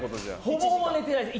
ほぼほぼ寝てないです。